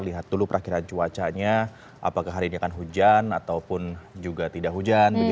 lihat dulu perakhiran cuacanya apakah hari ini akan hujan ataupun juga tidak hujan